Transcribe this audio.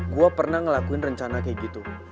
gue pernah ngelakuin rencana kayak gitu